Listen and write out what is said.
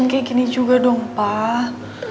tapi jangan kayak gini juga dong pak